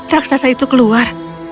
raksasa itu keluar